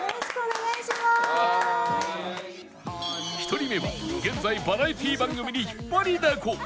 １人目は現在バラエティー番組に引っ張りだこ